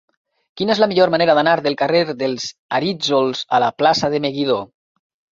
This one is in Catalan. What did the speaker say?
Quina és la millor manera d'anar del carrer dels Arítjols a la plaça de Meguidó?